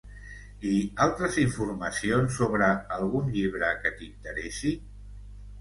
I altres informacions sobre algun llibre que t'interessi?